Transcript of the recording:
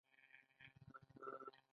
فیروزه د نیشاپور ډبره ده.